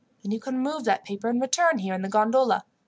Then you can remove that paper, and return here in the gondola.